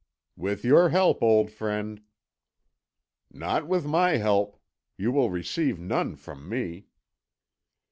"With your help, old friend." "Not with my help. You will receive none from me."